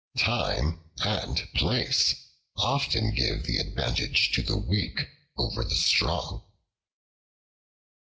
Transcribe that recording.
Time and place often give the advantage to the weak over the strong.